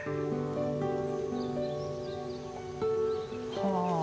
はあ。